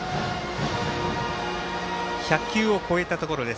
１００球を超えたところです。